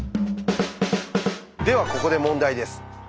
ではここで問題です。